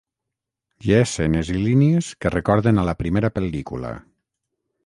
Hi ha escenes i línies que recorden a la primera pel·lícula.